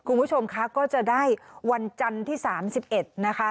คุณผู้ชมคะก็จะได้วันจันทร์ที่๓๑นะคะ